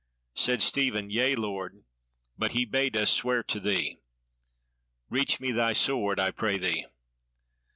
Said Stephen: "Yea, Lord; but he bade us swear to thee. Reach me thy sword, I pray thee."